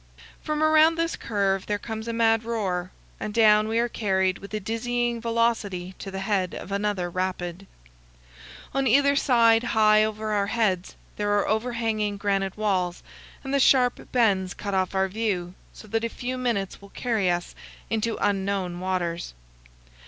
From around this curve there comes a mad roar, and down we are carried with a dizzying velocity to the head of another rapid. On either side high over our heads there are overhanging granite walls, and the sharp bends cut off our view, so that a few minutes will carry us into unknown waters.